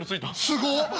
すごっ！